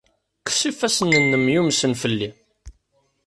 Kkes ifassen-nnem yumsen fell-i!